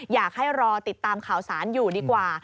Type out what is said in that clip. อยากให้รอติดตามข่าวสารอยู่ดีกว่า